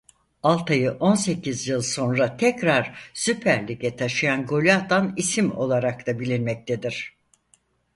Altay'ı on sekiz yıl sonra tekrar Süper Lig'e taşıyan golü atan isim olarak da bilinmektedir.